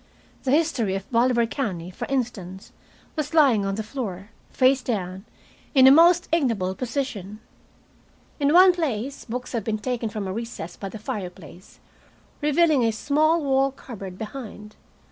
"The History of Bolivar County," for instance, was lying on the floor, face down, in a most ignoble position. In one place books had been taken from a recess by the fireplace, revealing a small wall cupboard behind.